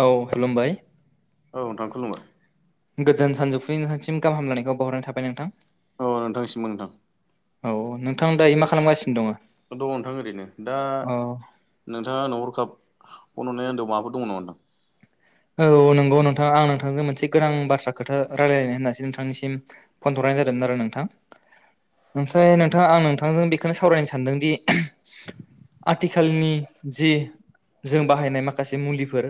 औ खुलुमबाय औ नोंथां खुलुमबाय गोजोन सानजौफुनि नोंथांसिम गाहाम हामलायानायखौ बावहरनाय थाबाय नोंथां। औ नोंथांसिमबो नोंथां औ नों दङ नोंथां ओरैनो दा अ नोंथाङा आंनाव हरखाब फन हरनायनि आन्दोआव माबाफोर दङ नामा नोंथां? औ नंगौ नोंथां आं नोंथांजों मोनसे गोनां बाथ्रा खोथा रायलायनो होननासो नोंथांनिसिम फन हरनाय जादोंमोन आरो नोंथां। ओमफाय नोंथाङा आं नोंथांजों बेखौनो सावरायनो सानदोंदि आथिखालनि जि जों बाहायनाय माखासे मुलिफोर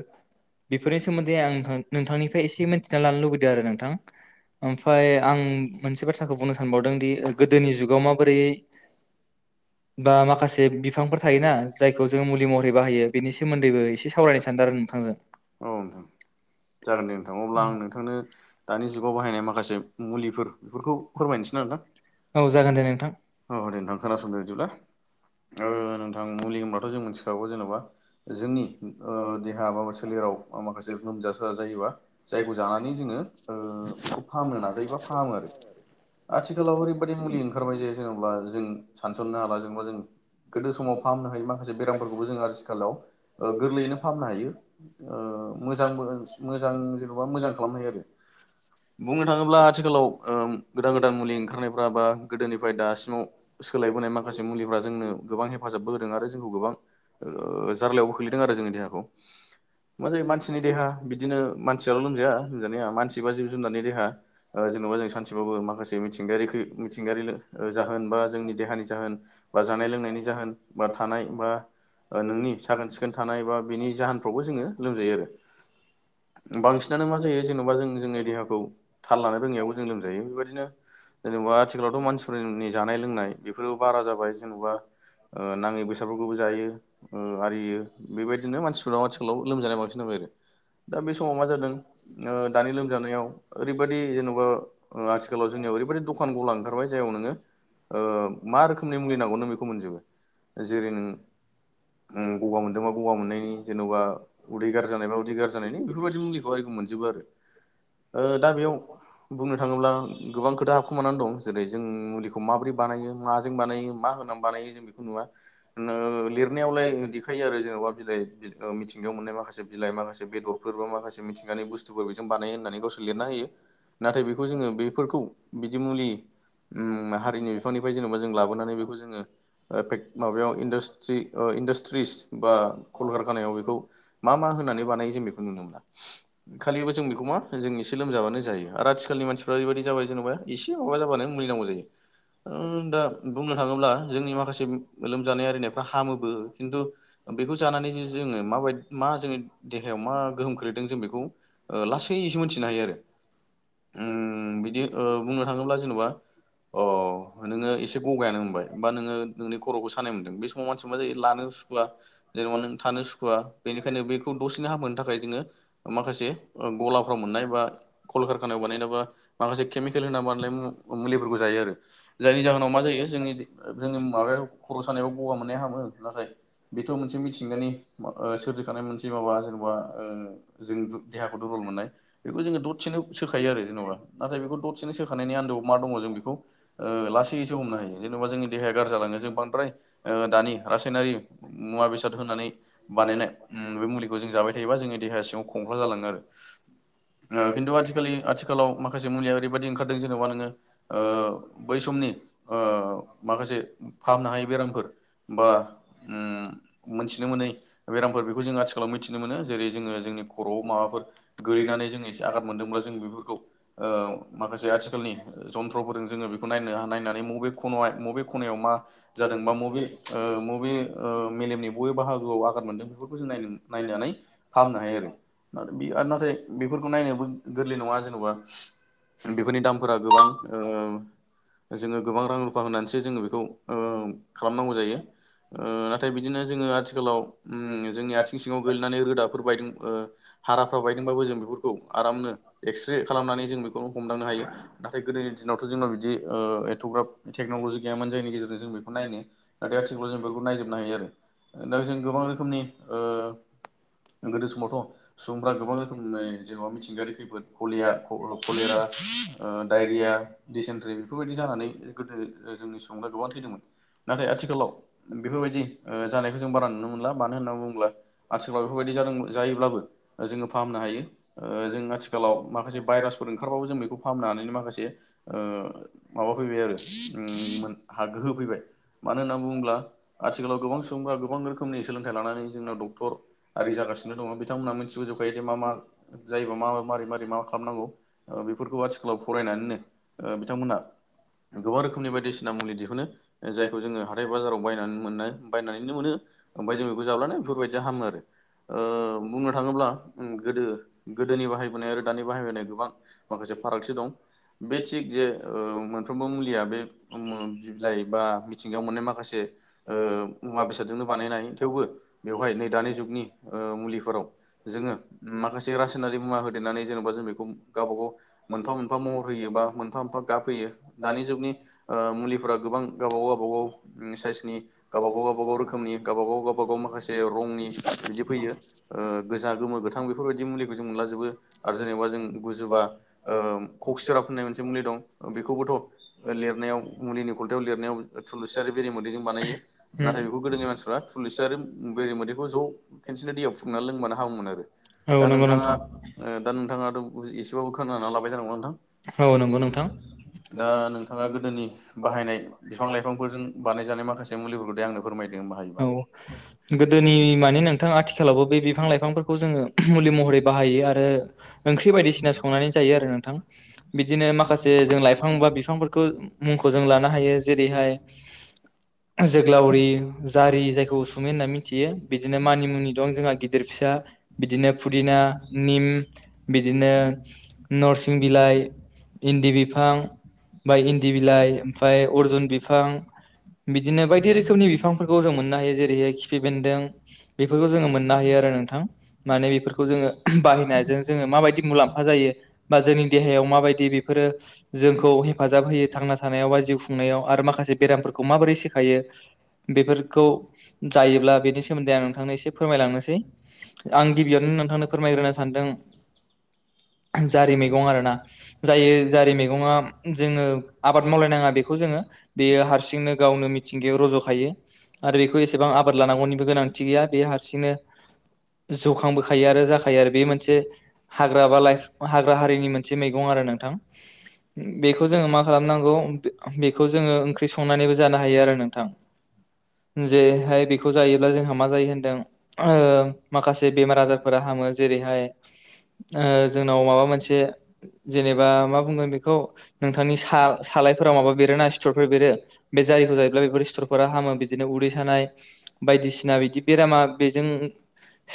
बेफोरनि सोमोन्दै आं नोंथां नोंथांनिफ्राय एसे मोनथिना लानो लुबैदों आरो नोंथां ओमफाय आं मोनसे बाथ्राखौ बुंनो सानबावदों दि ओ गो दोनि जुगाव माबोरैयै बा माखासे बिफांफोर थायोना जायखौ जों मुलि महरै बाहायो बेनि सोमोन्दैबो एसे सावरायनो सानदों आरो नोंथांजों। औ नोंथां जागोन दे नोंथां अब्ला आं नोंथांनो दानि जुगाव बाहायनाय माखासे मुलिफोर बेफोरखौ फोरमायनोसै ना औ जागोन दे नोंथां औ दे नोंथां खोनासंदो बिदिब्ला ओ नोंथां मुलि होमबा थ' जों मिथिखागौ जेनबा जोंनि ओ देहा बा सोलेराव माखासे लोमजा साजा जायोबा जायखौ जानानै जोङो ओ बेखौ फाहामनो नाजायोबा फाहामो आरो आथिखालाव ओरैबादि मुलि ओंखारबाय जे जेनेबा जों सानस'नो हाला जेनबा जों गोदो समाव फाहामनो हायो माखासे बेरामफोरखौबो जोंङो आ [unintelligible] आथिखालाव गोरलैयैनो फाहामनो हायो ओ मोजांबो मोजां जेनेबा मोजां खालामनो हायो आरो बुंनो थाङोब्ला आथिखालाव ओ गोदान गोदान मुलि ओंखारनायफ्रा बा गोदोनिफ्राय दासिमाव सोलायबोनाय माख माखासे मुलिफ्रा जोंनो गोबां हेफाजाबबो होदों आरो जोंखौ गोबां ओ जार्लायावबो खोख्लैदों आरो जोंनि देहाखौ मा जायो मानसिनि देहा बिदिनो मानसियाल' लोमजाया लोमजानाया मानसि बा जिब जुनारनि देहा जेन'बा जों सानसेबाबो माखासे मिथिंगायारि खै मिथिंगायारि जाहोन बा जोंनि देहानि जाहोन बा जानाय लोंनायनि जाहोन बा थानाय बा नोंनि साखोन सिखोन थानाय बा बिनि जाहोनफ्रावबो जोङो लोमजायो आरो। बांसिनानो मा जायो जेन'बा जों जोंनि देहाखौ थाल लानो रोङैावबो जों लोमजायो बेबायाददिनो जेनेबा आथिखालावथ' मानसिफोरनि जानाय लोंनाय बेफोर बारा जाबाय जेन'बा नाङै बेसादफोरखौबो जायो आरियो बेबायदिनो मानसिफोराव आथिखालाव लोमजानाय बांसिन जाबाय आरो दा बे समाव मा जादों दानि लोमजानायाव ओरैबायदि जेन'बा आथिखालाव जोंनियाव ओरैबायदि दखान गला ओंखारबाय जायाव नोङो मा रोखोमनि मुलि नांगौ नों बेखौ मोनजोबो जेरै नों गगा मोनदोंबा गगा मोननायनि जेन'बा उदै गार जानायबा उदै गार जानायनि बेफोरबायदि मुलिखौ आरखौ मोनजोबो आरो दा बेयाव बुंनो थाङोब्ला गोबां खोथा हाबखोमानानै दं जेरै जों मुलिखौ माबोरै बानायो माजों बानायो मा होनानै बानायो जों बेखौ नुवा लिरनायावलाय देखायो आरो जेनेबा बिलाइ मिथिंगायाव मोननाय माखासे बिलाइ माखासे बेदरफोर बा माखासे मिथिंगानि बुस्थुफोर बेजों बानायो होननानै गावसोर लिरना होयो नाथाय बेखौ जोङो बेफोरखौ बिदि मुलि हारिनि बिफांनि ज जेनेबा जों लाबोनानै बेखौ जोङो माबायाव इास्रि इडास्ट्रिस बा कलकारखानायाव बेखौ मा मा होनानै बानायो जों बेखौ नुनो मोनला। खालिबो जों बेखौ मा जों एसे लोमजाबानो जायो आरो आथिखालनि मानसिफ्रा ओरैबायदि जाबाय जेनेबा एसे माबा जाबानो मुलिनांगौ जायो। दा बुंनो थाङोब्ला जोंनि माखासे लोमजानाय आरिनायफ्रा हामोबो खिन्थु बेखौ जानानै जे जोङो माबायदि मा जोंनि देहायाव मा गोहोम खो्लैदों जों बेखौ लासैसो मोनथिनो हायो आरो बिदि बुंनो थाङोब्ला जेन'बा अ नोङो एसे गगायानो हमबाय बा नोङो नोंनि खर'खौ सानाय मोन्दों बे समाव मानसिया मा जायो लानो सुखुवा जेनेबा नों थानो सुखुवा बेनिखायनो बेखौ दसेनो हामहोनो थाखाय जोङो माखासे गलाफ्राव मोननाय बा कलकारखानायायाव बानायनाय बा माखासे केमिकेल होनना बानायनाय मुलिफोरखौ जायो आरो। जायनि जाहोनाव मा जायो जोंनि जोंनि माबायाव खर' सानायाव गगा मोननाया हामो नाथाय बेथ' मोनसे मिथिंगानि सोरजिखानाय मोनसे माबा जेन'बा जों देहाखौ दुरबल मोननाय बेखौ जोङो दरसेनो सोखायो आरो जेनेबा नाथाय बेखौ दरसेनो सोखानायनि आन्दोआव मा दङ जों बेखौ लासैसो हमनो हायो जेनेबा जोंनि देहाया गाज्रि जालाङो जों बांद्राय दानि रासायनारि मुवा बेसाद होनानै बानायनाय बे मुलिखौ जों जाबाय थायोबा जोंनि देहाया सिङाव खमख्ला जालाङो आओ खिन्थु आथिखलि आथिखालाव माखासे मुलिया ओरैबायदि ओंखारदों जेनेबा नोङो बै समनि माखासे फाहामनो हायै बेरामफोर बा मोनथिनो मोनै बेरामफोर बेखौ जों आथिखालाव मिथिनो मोनो जेरै जोङो जोंनि खर'आव माबाफोर गोगलैनानै जोङ एसे आगाद मोनदोंब्ला जों बेफोरखौ माखासे आथिखालनि जन्थ्रफोरजों जोङो बे नायनो नायनानै बबे ख बबे खनायाव मा जादों बा मबे मबे मेलेमनि बबे बाहागोआव आगत मोनदों बेफोरखौ जोंनायनो नायनानै फाहामनो हायो आरो बे नाथाय बेफोरखौ नायनोबो गोरलै नङा जेन'बा बेफोरनि दामफोरा गोबां जोङो गोबां रां रुफा होनानैसो जोङो बेखौ खालामनांगौ जायो नाथाय बिदिनो जोङो आथिखालाव जोंनि आथिं सिङाव गोलैनानै रोदाफोर बायदों हाराफ्रा बायदोंबाबो जों बेफोरखौ आरामनो एक्स्रे खालामनानै जों बेखौ हमदांनो हायो नाथाय गोदोनि दिनावथ' जोंनाव बिदि एथ'ग्राफ टेक्न'लजि गैयामोन जायनि गेजेरजों जों बेखौ नायनो नाथाय आथिखालाव जों बेफोरखौ नायजोबनो हायो आरो दा जों गोबां रोखोमनि गोदो समावथ' सुबुंफ्रा गोबां रोखोमनि जेन'बा मिथिंगायारि खैफोद कलिया फलेरा डायरिया दिडिसेन्ट्रि बेफोरबायदि जानानै गोदो जोंनि संगादआ गोबां थैदोंमोन नाथाय आथिखालाव बेफोरबायदि जानायखौ जों बारा नुनो मोनला मानो होन्नानै बुङोब्ला आथिखालाव बेफोरबायदि जादों जायोब्लाबो जोङो फाहामनो हायो जों आथिखालाव माखासे भाइरासफोर ओंखारबाबो जों बेखौ फाहामनो हानायनि माखासे माबा फैबाय आरो हा गो होफैबाय मानो होनना बुङोब्ला आथिखालाव गोबां सुबुंफोरा गोबां रोखोमनि सोलोंथाइ लानानै जोंनाव डक्टर आरि जागासिनो दङ बिथांमोना मिथिबोजोबखायो दे मा मा जायोबा मा मारै मारै मा खालामनांगौ बेफोरखौ आथिखालाव फरायनानैनो बिथांमोना गोबां रोखोमनि बायदिसिना मुलि दिहुनो जायखौ जोङो हाथथाय बाजाराव बायनानै मोननो बायनानैनो मोनो ओमफ्राय जों बेखौ जाब्लानो बेफोरबायदिया हामो आरो बुंनो थाङोब्ला गोदो गोदोनि बाहायबोनाय आरो दानि बाहायबोनाय गोबां माखासे फारागस दं बे थिग जे मोनफ्रोमबो मुलिया बे बिलाइ बा मिथिंगायाव मोननाय माखासे मुवा बेसादजोंनो बानायनाय थेवबो बेवहाय नै दानि जुगनि मुलिफोराव जोङो माखासे रासायनारि मुवा होदेरनानै जेन'बा जों बेखौ गावबा गाव मोनफा मोनफा महर होयो बा मोनफा मोनफा गाब होयो। दानि जुगनि मुलिफोरा गोबां गावब गाव गावबागाव साइसनि गावबागाव गावबागाव रोखोमनि गावबागाव गावबागाव माखासे रंनि बिदि फैयो गोजा गोमो गोथां बेफोरबायदि मुलिखौ जों मोनलाजोबो आरो जेनेबा जों गुजुबा ककसिरा होननाय मोनसे मुलि दं बे खौबोथ' लिरनायाव मुलिनि खलथायाव लिरनायाव थुलुंसि आरो बेरे मोदैजों बानायो नाथाय बेखौ गोदोङनि मानसिफ्रा थुलुंसि आरो बेरे मोदैखौ ज' खेनसेनो दैयाव फुुंनानै लोंबानो हामोमोन आरो। दा नोंथाङा दा नोंथाङाथ' एसेबाबो खोनानानै लाबाय जानांगौ नोंथां। औ नंगौ नोंथां। दा नोंथाङा गोदोनि बाहायनाय बिफां लाइफांफोरजों बानायजानाय माखासे मुलिफोरखौ दे आंनो फोरमायदों बाहायोबा औ गोदोनि माने नोंथां आथिखालावबो बे बिफां लाइफांफोरखौ जोङो मुलि महरै बाहायो आरो। ओंख्रि बायदिसिना संनानै जायो आरो नोंथां। बिदिनो माखासे जों लाइफां बा बिफांफोरखौ मुंखौ जों लानो हायो जेरैहाय जोग्लावरि जारि जायखौ उसुमै होनना मिथियो। बिदिनो मानिमुनि दं जोंहा गिदिर फिसा बिदिनो फुदिना निम बिदिनो नरसिं बिलाइ। इन्दि बिफां ओमफ्राय इन्दि बिलाइ ओमफफ्राय अरजुन बिफां बिदिनो बायदि रोखोमनि बिफांफोरखौ जों मोननो हायो जेरैहाय खिफि बेन्दों बेफोरखौ जोङो मोननो हायो आरो नोंथां माने बेफोरखौ जोङो माबादि मुलाम्फाजायो बा जोंनि देहायाव माबादि जदि बेफोरो जोंखौ हेफाजाब होयो थांना थानायाव बा जिउ खुंनायाव आरो माखासे बेरामफोरखौ माबोरै सिखायो बेफोरखौ जायोब्ला बेनि सोमोन्दै आं नोंथांनो एसे फोरमायलांनोसै आं गिबियावनो नोंथांनो फोरमायग्रोनो सानदों। जारि मैगं आरोना! जायो जारि मैगङा जोङो आबाद मावलायनाङा बेखौ जोङो बेयो हारसिंनो गावनो मिथिंगायाव रज'खायो आरो बेखौ एसेबां आबाद लानांगौनिबो गोनांथि गैया बेयो हारसिंनो जौखांबोखायो आरो जाखायो आरो बे मोनसे हाग्रा बा लाइफां हाग्रा हारिनि मोनसे मैगं आरो नों बेखौ जोङो मा खालामनांगौ बेखौ जोङो ओंख्रि संनानैबो जानो हायो आरो नोंथां जेरैहाय बेखौ जायोब्ला जोंहा मा जायो होनदों माखासे बेमार आजारफोरा हामो जेरैहाय ओ जोंनाव माबा मोनसे जेनेबा एबा मा बुंगोन बेखौ नोंथांनि सालायफोराव माबा बेरोना सिथरफोर बेरो बे जारिखौ जायोब्ला बेफोर सिथरफोरा हामो बिदिनो उदै सानाय बायदिसिना बिदि बेरामा बेजों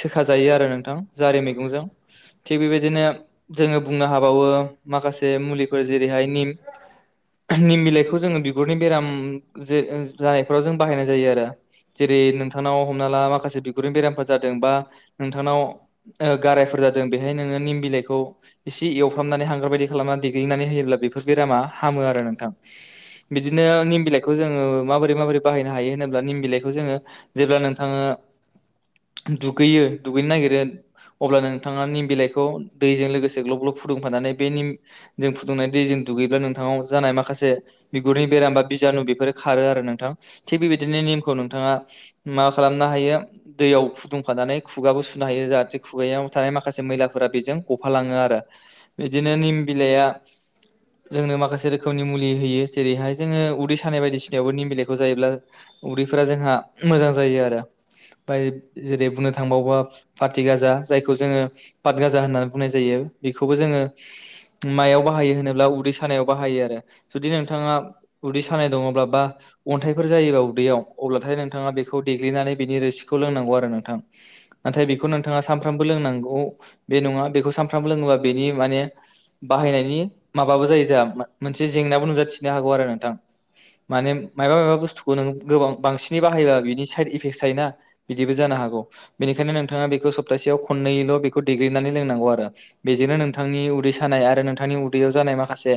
सोखा जायो आरो नोंथां जारि मैगंजों थिग बेबायदिनो। जोङो बुंनो हाबावो। माखासे मुलिफोर जेरैहाय निम निम बिलाइखौ जोङो बिगुरनि बेराम जानायफोराव जों बाहायनाय जायो आरो जेरै नोंथांनाव हमना ला माखासे बिगुरनि बेरामफोर जादों बा नोंथांनाव गारायफोर जादों बेहाय नोङो निम बिलाइखौ। एसे एवफ्रामनानै हां बेबायायदि खालामना देग्लिनानै होयोब्ला बेफोर बेरामा हामो आरो नोंथां बिदिनो निम बिलाइखौ जोङो माबोरै माबोरै बाहायनो हायो होनोब्ला निम बिलाइखौ जोङो जेब्ला नोंथाङा दुगैयो दुगैनो नागिरो अब्ला नोंथाङा निम बिलाइखौ दैजों लोगोसे ग्लब ग्लब फुदुंफानानै। निमजों फुुंदुंनाय दैजों दुगैब्ला नोंथांनाव जानाय माखासे बिगुरनि बेराम बा बिजानु बेफोर खारो आरो नोंथां थि बेबायदिनो निमखौ नोंथाङा मा खालामनो हायो दैयाव फुदुंखानानै खुगाबो सुनो हायो जाहाथे खुगायाव थानाय माखासे मैलाफोरा बेजों गफाला आङ आरो बिदिनो निम बिलाइया जोंनो माखासे रोखोमनि मुलि होयो जेरैहाय जोङो उदै सानाय बायदिसिनायावबो निम बिलाइखौ जायोब्ला उदैफोरा जोंहा मोजां जायो आरो मफ्राय जेरै बुंनो थांबावोबा पाथि गाजा जायखौ जोङो पातगाजा होननानै बुंनाय जायो। बेखौ। मायाव बाहायो होनोब्ला उदै सानायाव बाहायो आरो जुदि नोंथाङा उदै सानाय दङब्ला बा अन्थाइफोर जायोबा उदैयाव अब्लाथाय नोंथाङा बेखौ देग्लिनानै बेनि रोसिखौ लोंनांगौ आरो नोंथां नाथाय बेखौ नोंथाङा सानफ्रामबो लोंनांगौ बे नङा। बेखौ सानफ्रामबो लोङोबा बेनि माने बाहायनायनि माबाबो जायो। मोनसे जेंनाबो नुजाथिनो हागौ आरो नोंथां माने मायबा मायबा बुस्थुखौ नों गोबां बांसिनै बाहायोबा बिनि साइद इफेक्ट थायोना बिदिबो जानो हागौ। बेनिखायनो नोंथाङा बेखौ सप्तासेयाव खनैल' बेखौ दैग्लिनानै लोंनागौ आरो बेजोंनो नोंथांनि उदै नाय नोंथांनि उदैयाव जानाय माखासे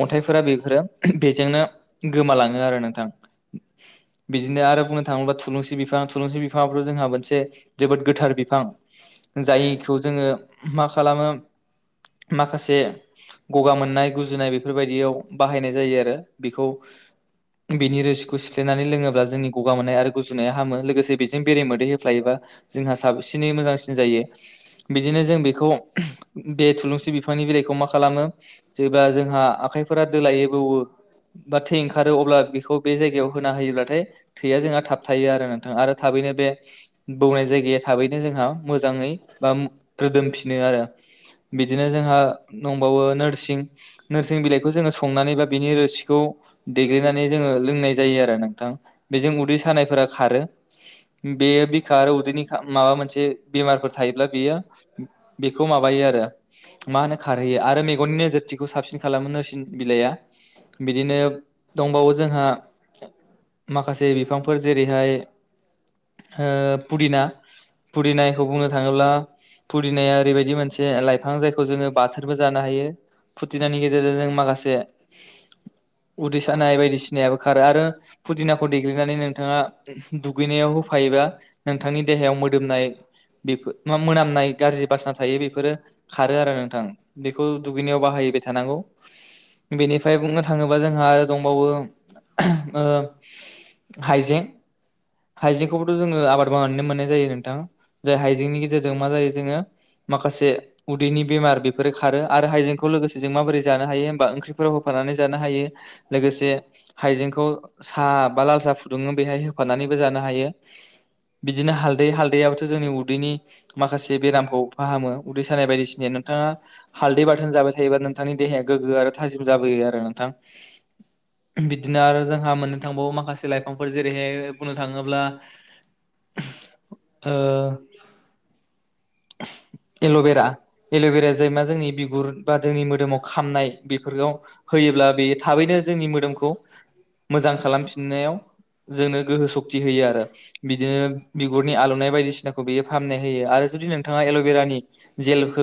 अन्थाइफोरा बेफोरो बेजोंनो गोमालाङो आरो नोंथां। बिदिनो आरो बुंनो थाङोब्ला थुलुंसि बिफां थुलुंसि बिफाङाबोथ जोंहा मोनसे जोबोद गोथार बिफां जायखौ जोङो मा खालामो माखासे गगा मोननाय गुजुनाय बेफोरबायदियाव बाहायनाय जायो आरो बेखौ बिनि रोसिखौ सिख्रेब लोङोब्ला जोंनि गगा मोननाय आरो गुजुनाया हामो लोगोसे बेजों बेरे मोदै होफ्लायोबा जोंहा साबसिनै मोजांसिन जायो बिदिनो जों बेखौ बे थुलुंसि बिफांनि बिलाइखौ मा खालामो जेब्ला जोंहा आखाइफोरा दोलायो बौवो बा थै ओंखारो अब्ला बेखौ बे जायगायाव हो ना होयोब्लाथाय थैया जोंहा थाब थायो आरो नोंथां आरो थाबैनो बे बौनाय जायगाया थाबैनो जोंहा मोजाङै बा रोदोमफिनो आरो बि दिनो जोंहा दंबावो नोरसिं नोरसिं बिलाइखौ जोङो संनानै बा बिनि रोसिखौ देग्लिनानै जोङो लोंनाय जा नोंथां बेजों उदै सानायफोरा खारो बेयो बिखा आरो उदैनि खा माबा मोनसे बेमारफोर थायोब्ला बेयो बेखौ माबायो आरो। मा होनो खारहोयो आरो मेगननि नोजोरथिखौ साबसिन खालामो नोरसिन बिलाइआ बिदिनो दंबावो जोंहा माखासे बिफांफोर जेरैहाय ओ पुदिना पुदिनाखौ बुंनो थाङोब्ला पुदिनाया ओरैबायदि मोनसे लाइफ थां जायखौ जोङो बाथोनबो जानो हायो फुदिनानि गेजेरजों जों माखासे उदै सानाय बायदिसिनायाबो खारो आरो फुदिनाखौ देग्लिनानै नोंथाङा दुगैनायाव होफायोबा नोंथांनि देहायाव मोदोमनाय बेफोर मोनामनाय गाज्रि बासना थायो बेफोरो खारो आरो नोंथां बेखौ दुगैनायाव बाहायबाय थानांगौ बेनिफ्राय बुंनो थाङोबा जों जोंहा दंबावो ओ हाइजें हाइजेंखौबोथ' जोङो आबाद मावनानैनो मोननाय जायो नोंथां जाय हाइजेंनि गेजेरजों मा जायो जोङो माखासे उदैनि बेमार बेफोरो खारो आरो हाइजेंखौ लोगोसे जों माबोरै जानो हायो होमबा ओंख्रिफोराव होफानानै जानो हायो। लोगोसे हाइजेंखौ साहा बा लाल साहा फुदुङो बेहाय होफानानैबो जानो हायो बिदिनो हालदै हालदैाबथ जोंनि उदैनि माखासे बेरामखौ फाहामो उदै जानाय बायदिसिना नोंथाङा हालदै बाथोन जाबाय थायोबा नोंथांनि देहाया गोग्गो आरो थाजिम जाबोयो आरो नोंथां। बिदिनो आरो जोंहा मोननो थांबावो माखासे लाइफांफोर जेरैहाय बुंनो थाङोब्ला ओ एल'बेरा एल'बेराया जाय मा जोंनि बिगुर बा जोंनि मोदोमाव खामनाय बेफोरखौ होयोब्ला बेयो थाबैनो जोंनि मोदोमखौ मोजां खालामफिननायाव जोंनो गोहो सक्ति होयो आरो बिदिनो बिगुरनि आलौनाय बायदिसिनाखौ बेयो फाहामनाय होयो आरो जुदि नों एल'बेरा। जेलखौ